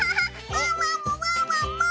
ワンワンもワンワンも！